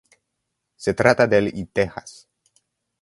Se trata del y Texas.